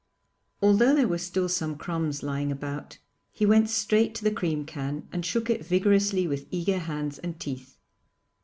Although there were still some crumbs lying about, he went straight to the cream can and shook it vigorously with eager hands and teeth.